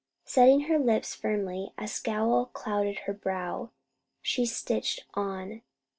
Setting her lips firmly, a scowl clouding her brow, she stitched on.